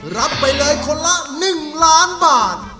รับไปเลยคนละ๑ล้านบาท